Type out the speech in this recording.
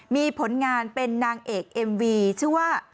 มีผลงานเป็นนางเอกเอ็มวีชื่อว่า